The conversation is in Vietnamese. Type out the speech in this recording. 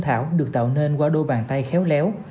thảo được tạo nên qua đôi bàn tay khéo léo